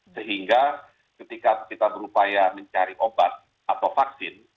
sehingga ketika kita berupaya mencari obat atau vaksin